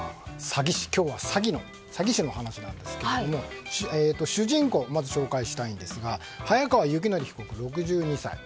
今日は詐欺師の話なんですけども主人公をまず紹介したいんですが早川幸範被告、６２歳。